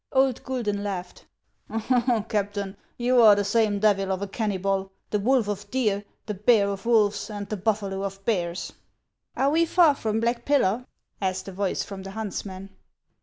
Old Guidon laughed :" Oh, Captain, you are the same devil of a Kennybol, — the wolf of deer, the bear of wolves, and the buffalo of bears !"" Are we far from Black Pillar ?" asked a voice from the huntsmen.